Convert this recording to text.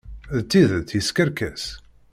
Deg tidet, yeskerkes.